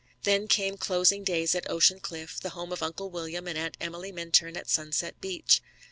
Then came closing days at Ocean Cliff, the home of Uncle William and Aunt Emily Minturn at Sunset Beach.